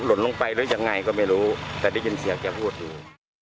แล้วก็ไม่รู้แต่ได้ยินเสียงแกพูดดู